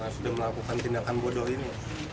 karena sudah melakukan tindakan bodoh ini